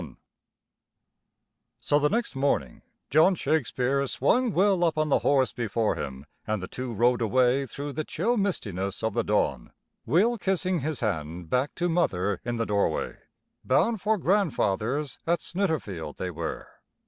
VII So the next morning John Shakespeare swung Will up on the horse before him, and the two rode away through the chill mistiness of the dawn, Will kissing his hand back to Mother in the doorway. Bound for Grandfather's at Snitterfield they were.